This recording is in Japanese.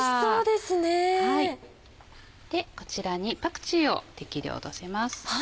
でこちらにパクチーを適量のせます。